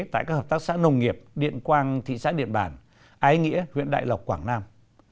tại các hợp tác xã nông nghiệp điện quang thị xã điện bản ái nghĩa huyện đại lộc quảng nam